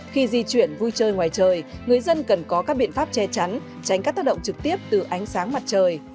khi di chuyển vui chơi ngoài trời người dân cần có các biện pháp che chắn tránh các tác động trực tiếp từ ánh sáng mặt trời